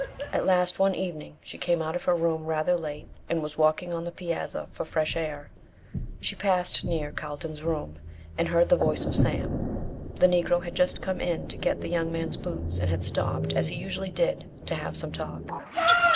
At last, one evening, she came out of her room rather late, and was walking on the piazza for fresh air. She passed near Carlton's room, and heard the voice of Sam. The negro had just come in to get the young man's boots, and had stopped, as he usually did, to have some talk.